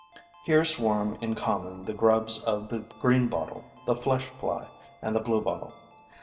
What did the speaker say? Here swarm in common the grubs of the greenbottle, the flesh fly and the bluebottle.